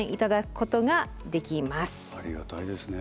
ありがたいですね。